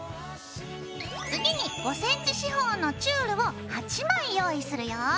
次に５ｃｍ四方のチュールを８枚用意するよ。